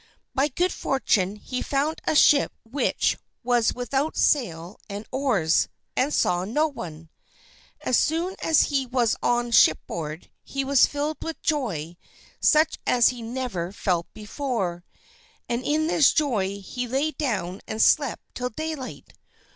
By good fortune he found a ship which was without sail and oars, and he saw no one. As soon as he was on shipboard he was filled with joy such as he had never felt before, and in this joy he lay down and slept till daylight.